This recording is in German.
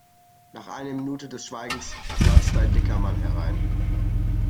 Nach einer Minute des Schweigens platzte ein dicker Mann herein.